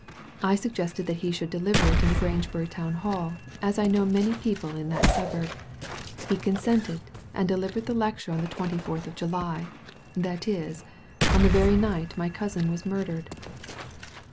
I suggested that he should deliver it in the Grangebury Town Hall, as I know many people in that suburb. He consented, and delivered the lecture on the twenty fourtli of July, that is, on the very night my cousin was murdered."